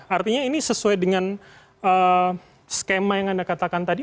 artinya ini sesuai dengan skema yang anda katakan tadi